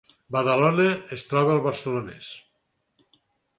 Badalona es troba al Barcelonès